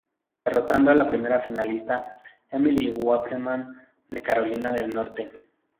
Derrotando a la primera finalista, Emily Wakeman de Carolina del Norte.